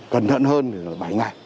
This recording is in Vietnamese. cẩn thận hơn là bảy ngày